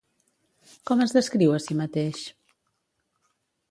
Com es descriu a si mateix?